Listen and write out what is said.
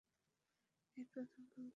এই প্রথম বুঝলাম দিপার খুব জ্বর।